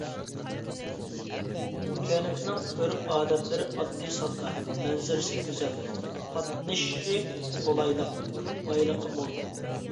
كەنتنىڭ ئۆرپ-ئادەتلىرى ئاددىي-ساددا، مەنزىرىسى گۈزەل، قاتنىشى قولايلىق، بايلىقى مول.